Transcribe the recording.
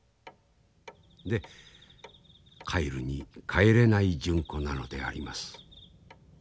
で帰るに帰れない純子なのであります。